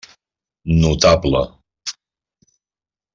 Notable.